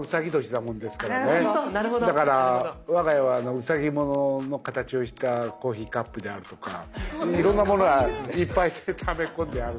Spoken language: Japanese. だから我が家はうさぎの形をしたコーヒーカップであるとかいろんなものがいっぱいため込んであるんですけど。